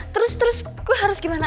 terus terus gue harus gimana